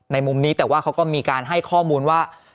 มุมนี้แต่ว่าเขาก็มีการให้ข้อมูลว่า